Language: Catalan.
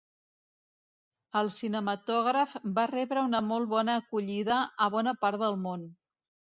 El cinematògraf va rebre una molt bona acollida a bona part del món.